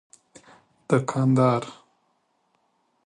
درندگان